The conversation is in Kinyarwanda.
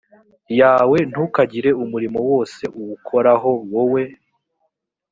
yawe ntukagire umurimo wose uwukoraho wowe